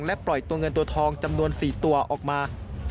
ปล่อยตัวเงินตัวทองจำนวน๔ตัวออกมา